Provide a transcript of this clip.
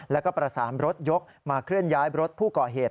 แล้วก็ประสานรถยกมาเคลื่อนย้ายรถผู้ก่อเหตุ